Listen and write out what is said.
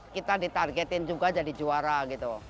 kita ditargetin juga jadi juara gitu